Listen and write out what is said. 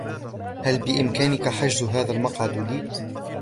هل بإمكانك حجز هذا المقعد لي ؟